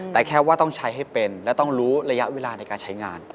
แต่แค่ว่าต้องใช้ให้เป็นและต้องรู้ระยะเวลาในการใช้งาน